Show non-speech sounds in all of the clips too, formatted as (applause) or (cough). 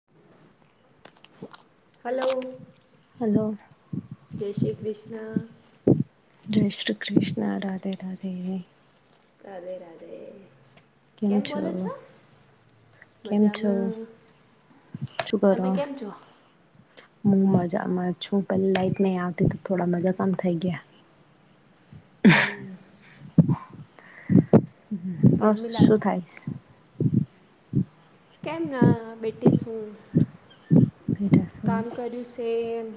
(inaudible) Hello hello જય શ્રી કૃષ્ણ. જય શ્રી કૃષ્ણ. રાધે રાધે. રાધે રાધે કેમ બોલો છો. કેમ છો મજામાં શું તમે કરો કેમ છો. હું મજામાં છું પે લાઈટ નહી. આવતી તો થોડા મજા આમ થઈ ગયા હમ ગરમી લાગ શું થાય છે. કેમ ના બેટે શું કામ કર્યું છે. એમ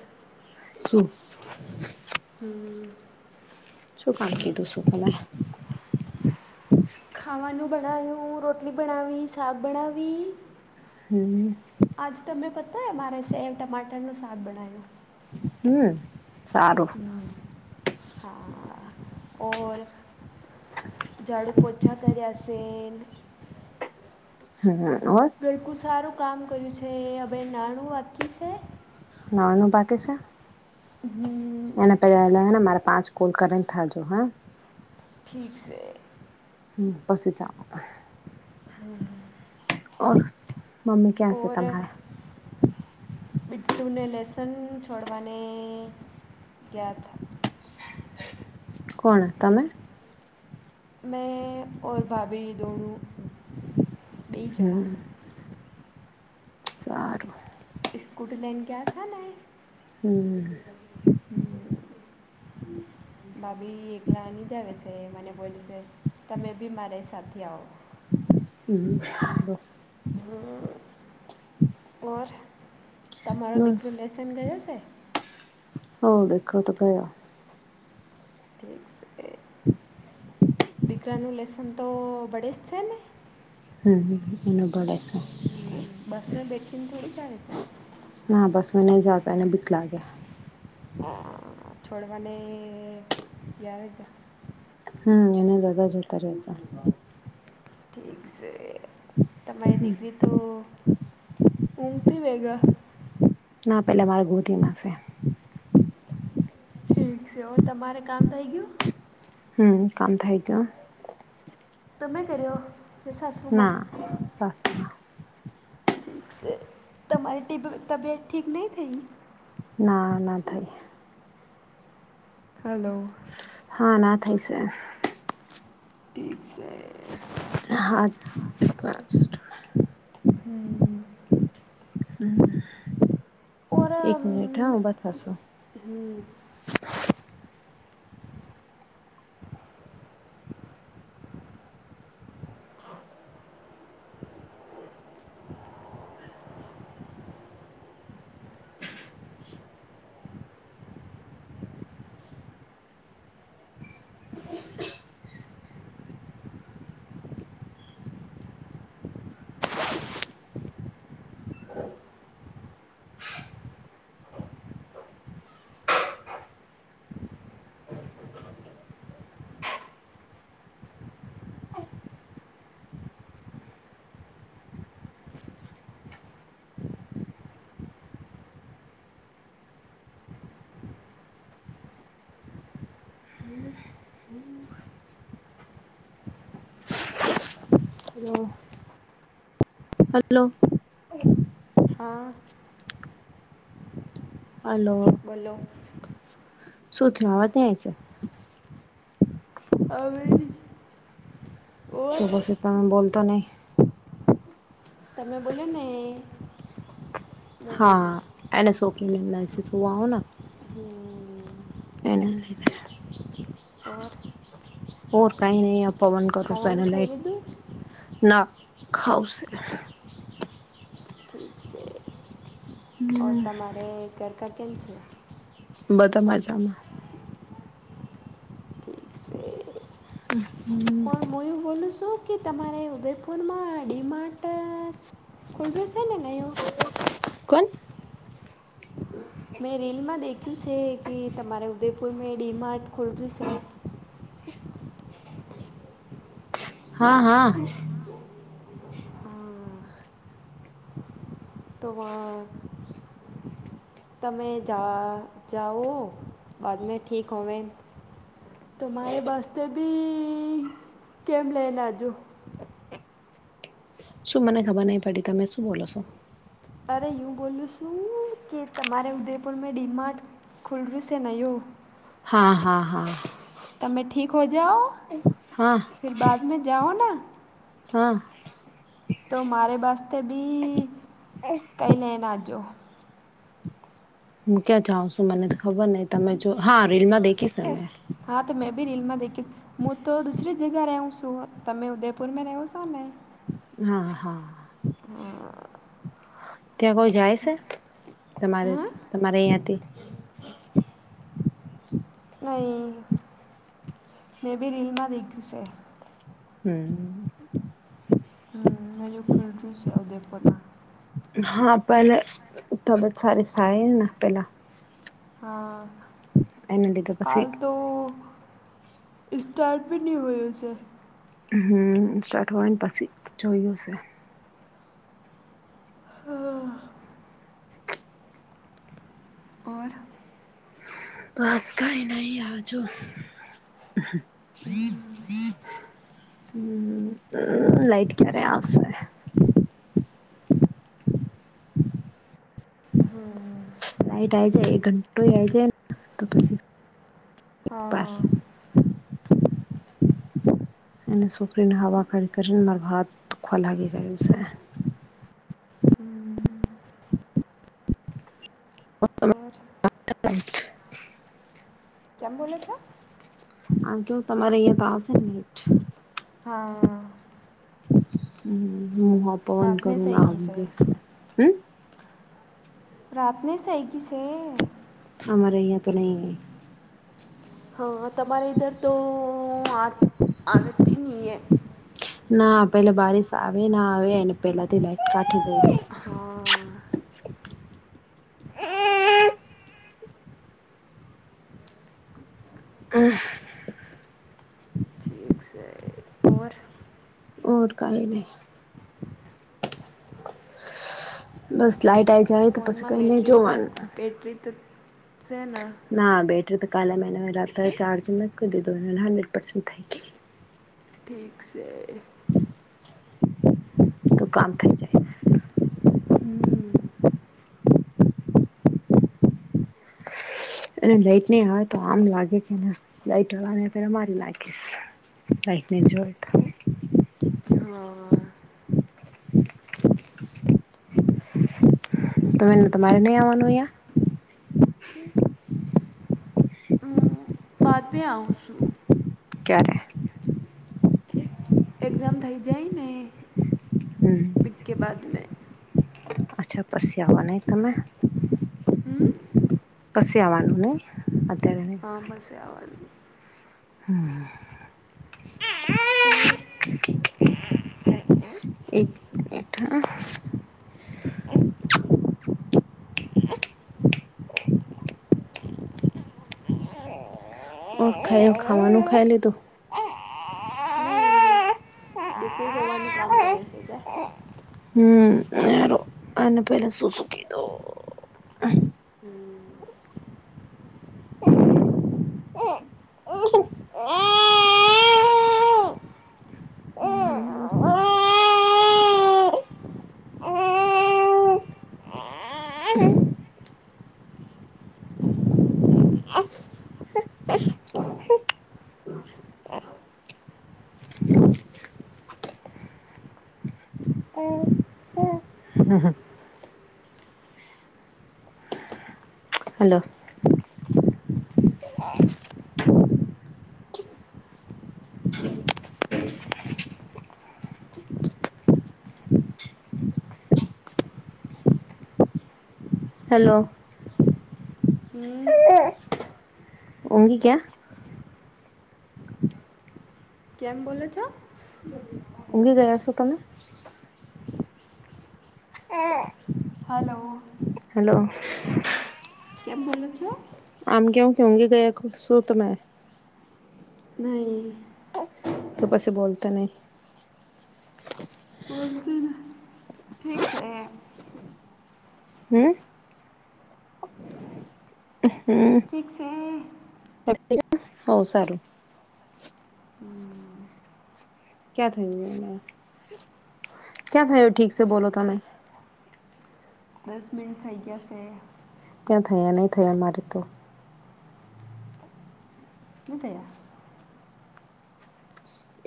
હમ્મ હમ શું કાઢકી દું શ મે ખાવાનું બનાયું રોટલી બનાવી સાગ બનાવી હમ આજ તમે પતાય મારે સેવ ટમાટરનું સ્વાદ બનાવ્યું હમ સારુ હ હા ઓર ઝાડુ પોછા કરી્યાે હમ્મ બિલકુ સારું કામ કર્યું છે હભાઈ નાણું વાકી છે. નાવા નું બાકી છે. હમ એને પેલાને મારે પાંચ કોલ કરીને થજો હા ઠીક છે. હમ પછી જ પણ હા ઓ ઓર બીટ્ટુને લસન છોડવાને ગયા. કોણ તમે મે ઓર ભાભી દોન બેહી ચણ્યા સારુ સ્કોૂટલન્ડ ક્યા થ ના હમ્મ હમ્મ ભભી એગલાની જાય બેશે મ બોલી છે. તમે બી મારી સાથે આવો હ હો હ ઓર તમારો બસ દીકરો લેસન ગયો છે. હો દેખ તો ક ઠીક છેે. દીકરાનું લેસન તો ભડે જ છે ને હ એ બાડ સ હ બસમાં બેઠી ને થોડી જ આવીસાય હા બસ મેંહી જતા એને બિકલા ગયા છોડવાને ગયાર હમ એને દધા જતા રહે હતા ઠીક છે. તમારી દીકરી તો ઊંઘતી વેગા ના, પેલા મારે ગોતીમાંસે ઠીક છે ઓ તમારે કામ થઈ ગયુ હમ કામ થાય ગ તમે કર્યો કે સાસુમાં ના સાસુમાં ઠીક છે. તમારીબ તબિયત ઠીક નહીં થઈ ના ના થાય. હલો. હા ના થાય છે. ઠીક છે. હા. હમ. ઓર એક અમ, મિનિટ હા બતાશો. હમ. (inaudible) હમ. હમ. હ. હલો. હા. હલોો. બોલો. સો થથીયો વાવાત છે. અવેરી. તું બસ ત બોતા નહી. તમે બોલ્યો ને. હું હા બોલું એને છોપરીવા ને. એ હમ. લ. ઓર. ર કાઈ નહી પવન કરો ખાવાનું ખાઈ સેટલાઇટ. લીધું ના ખઉશે. ઠીક હમ તમારે ઘર કા કેમ છે. બધા મજામાં. હમ પણ હું એવું બોલું છું કે તમારે ઉદયપુરમાં આડી માટે. કોલ્ડસ છે ને નયો. કોણ મેં રીલમાં દેખ્યું છે કે તમારે ઉદયપુર મે ડી માર્ટ ખોલ્યું છે. હા હા. હા. તો વા. તમે જા જાઓ બાદ મે ઠીક હોવે. તો મારે બસતે બી કેમ લઈનેજો. શું મને ખબર નહી પડી તમે શું બોલો છો. અરે યું બોલું શું કે તમારે ઉદયપુરમાં ડીમાર્ટ. ખુલ્ડ્રુ સનાું હા હા હા. તમેં ઠીક હો જાઓ. હા. ફર બાદ મે જાઓ ના. હા. તો મારે વતે બી કઈ લેન આવજો (inaudible) હું ક્યાં જાઉ છું મને તો ખબર નહ તમે જો હા રીલ માં દેખીસ. હા તો મેં ભી રીલમાં દેખી. હું તો દુસરી જગ્યા રહું છું તમે ઉદયપુરમાં રહો છો ને? હા હા. હા. ત્યાં કોઈ જાય છે તમારે હા તમારે અહિંથી? નહી મેં બી રીલમાં દેખ્યું છે. હમ. હ નંજુક ખુરદ્રુ (inaudible) છે આવદેપોટમાં (inaudible) (unintelligible) હા પણ તબિયત સારી થાયને પેલા. હા એના લીધે કાલ પછી તો સ્ટાર્ટ પણ ન હોય હસે હ સ્ટાર્ટ હોય ને પછી જોયુંશે હા. ઓર? બસ કઈ નઈ આવજુ. હ હમ, લાઈટ કર્યારે આવશે? હમ. લાઈટ આ જાય એક ઘંટો આ જાય તો પછી હા, (inaudible) એને છોકરીને હવા નાખી કરીને માર હાથ દુખવા લાગ્યો છે. હમ. ઓર (inaudible) (unintelligible) કોણ બોલો છો? આ કે તમારે અહિયાં તો આવશે નેટ હા. હમ મોહ પવન રાતને કર સહી ગઈ છે આગેસ (inaudible) રાતને સહેગી છે. (unintelligible) (inaudible) હમારે હીં તો નહીં. હા તમારે ઈધર તો આવ આવેતી નહી એ. ના પેલા બારીશ આવે ના આવે એને પેલા થી લાઈટ કાઠી ગઈ. હા. હ. ઠીક છે ઔર? ઓર કાઈ નહીં. બસ લાઈટ આવે ફોનમાં બેટરી છે, બેટરી તો છે ને ના બેટરી તો કાલે મેને મે રહતા ચાર્જ મેં કોઈ દી દોને હન્ડ્રેડ પરસન્ટ થાય કે. ઠીક છે. દુકાન (inaudible) થ જાય છે (inaudible) હમ. એ લાઈટ નહી આવે તો આમ લાગે કેને લાઈટ વાળ પે (inaudible) મારી લાગી. લઈફને એ જોયટ (inaudible) (unintelligible) હા. તમે એને તમારે નહીં આવવાનું અહીંયા? બાદમેં આવું છું. ક્યારે? એક્ઝામ થઇ જાય ને. હમ. પ કે બાદ મે અચ્છા પસિયા આવવાનાહી તમે હમ? પસિયાણા ન અંત હ બસ આવવાનુંની હમ. અમ્મ. (inaudible) ખાઈ ખાવાનું ખાઈ લીધું. નહીં દીકરી હોવાનું કામ કર છે તં. હમ્મ આને પેલા શું શું કીધો. હમ્મ. હમ્મ હમ્મ. હલો. હલો. હમ્મ. ઊંંગી ગયા? કેમ બોલો છો? (unintelligible) ઊંઘી ગયા છો તમે? હલો. હલો. કેમ બોલો છો? આમ કેવ કે ઊઘી ગયા ખ શું તમે. નહી. તો કશું બોલતા નહી. (unintelligible) ફિક્સ એ. હમ હમ્મ. (unintelligible) હો સારું. ક્યાં થયું ક્યાં થયું ઠીક છે બોલો તમે? દસ મિનિટ થઇ ગયાશે. ક્યાં થયા નહીં થયા મારી તો. મિતયા.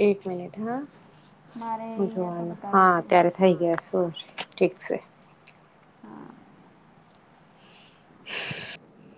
એક મિનિટ હા મારે હ અહીંયા તો જોવાનું બતાવે હા છે ત્યારે. થઈ ગયા સો ઠીક છે. હા